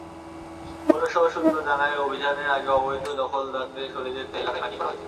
পৌরসভা সূত্র জানায়, অভিযানের আগে অবৈধ দখলদারদের সরে যেতে এলাকায় মাইকিং করা হয়েছিল।